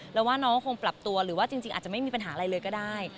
แล้วว่าน้องก็คงปรับตัวหรือว่าจริงอาจจะไม่มีปัญหาอะไรเลยก็ได้